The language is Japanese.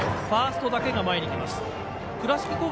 ファーストだけが前に来ました。